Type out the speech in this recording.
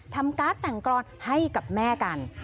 การ์ดแต่งกรอนให้กับแม่กัน